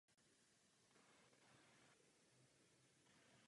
Nastoupil jako lékař v cukrovaru a otevřel si zde i soukromou lékařskou praxi.